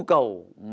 của tội phạm